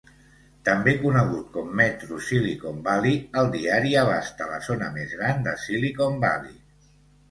També conegut com Metro Silicon Valley, el diari abasta la zona més gran de Silicon Valley.